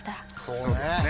そうですね。